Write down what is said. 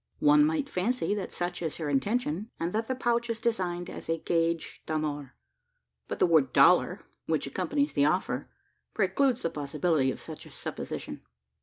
One might fancy that such is her intention; and that the pouch is designed as a gage d'amour; but the word "dollar," which accompanies the offer, precludes the possibility of such a supposition.